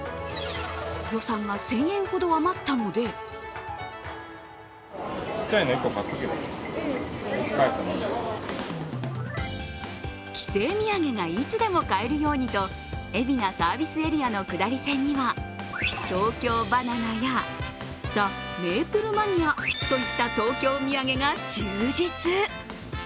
予算が１０００円ほど余ったので帰省土産がいつでも買えるようにと海老名サービスエリアの下り線には東京ばな奈やザ・メープルマニアといった東京土産が充実。